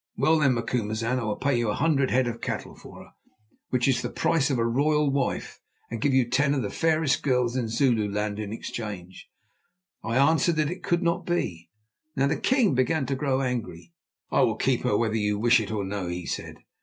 "Well, then, Macumazahn, I will pay you a hundred head of cattle for her, which is the price of a royal wife, and give you ten of the fairest girls in Zululand in exchange." I answered that it could not be. Now the king began to grow angry. "I will keep her, whether you wish it or no," he said.